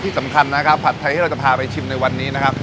ที่สำคัญนะครับผัดไทยที่เราจะพาไปชิมในวันนี้นะครับ